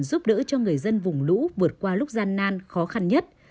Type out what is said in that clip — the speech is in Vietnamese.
giúp đỡ cho người dân vùng lũ vượt qua lúc gian nan khó khăn nhất